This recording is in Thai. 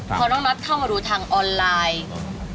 พอน้องนัทเข้ามาดูทางออนไลน์